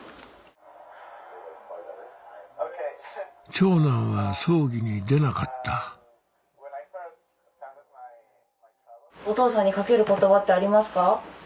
長男は葬儀に出なかったお父さんに掛ける言葉ってありますか？